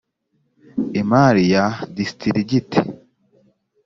imari ya disitirigiti